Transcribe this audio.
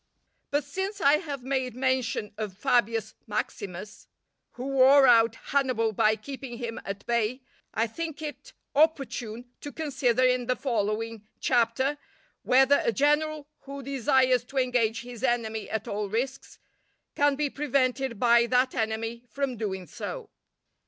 But since I have made mention of Fabius Maximus who wore out Hannibal by keeping him at bay, I think it opportune to consider in the following Chapter whether a general who desires to engage his enemy at all risks, can be prevented by that enemy from doing so.